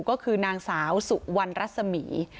ก็คือนางสาวสุวรรณรัศมี